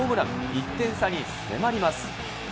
１点差に迫ります。